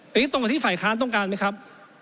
อันนี้ตรงกับที่ฝ่ายค้านต้องการไหมครับ